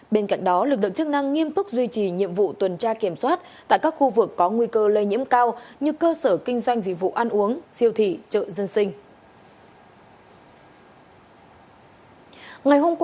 bên cạnh đó lực lượng chức năng nghiêm túc duy trì nhiệm vụ tuần tra kiểm soát tại các khu vực có nguy cơ lây nhiễm cao như cơ sở kinh doanh dịch vụ ăn uống siêu thị chợ dân sinh